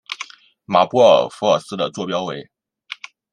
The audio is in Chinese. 马布尔福尔斯的座标为。